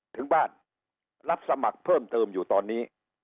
ถึงบ้านรับสมัครเพิ่มเติมอยู่ตอนนี้